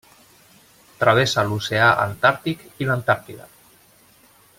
Travessa l'Oceà Antàrtic i l'Antàrtida.